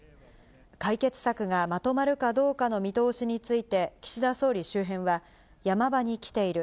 解決策がまとまるかどうかの見通しについて、岸田総理周辺は、ヤマ場にきている。